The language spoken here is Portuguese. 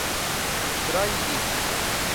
Trairi